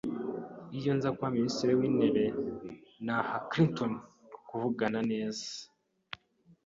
Iyo nza kuba minisitiri wintebe, naha Clinton kuvugana neza.